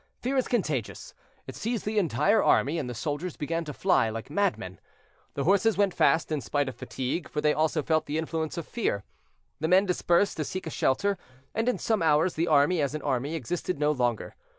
Fear is contagious, it seized the entire army, and the soldiers began to fly like madmen. The horses went fast, in spite of fatigue, for they also felt the influence of fear; the men dispersed to seek a shelter, and in some hours the army, as an army, existed no longer.